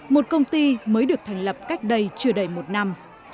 một công ty mới được thành lập cách đây chưa đầy một năm